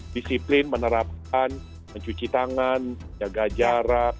disiplin menerapkan mencuci tangan jaga jarak